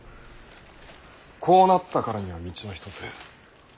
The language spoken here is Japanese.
こうなったからには道は一つ。